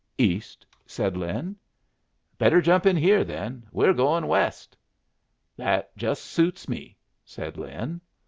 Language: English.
"East," said Lin. "Better jump in here, then. We're goin' west." "That just suits me," said Lin.